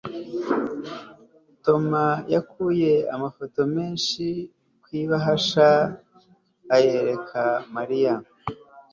tom yakuye amafoto menshi mu ibahasha ayereka mariya